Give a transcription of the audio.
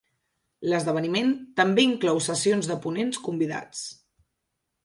L'esdeveniment també inclou sessions de ponents convidats.